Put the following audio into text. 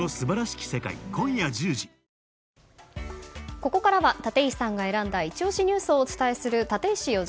ここからは、立石さんが選んだイチ推しニュースをお伝えする